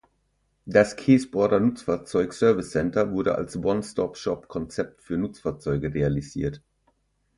Das Kässbohrer Nutzfahrzeug-Servicecenter wurde als One-Stop-Shop-Konzept für Nutzfahrzeuge realisiert.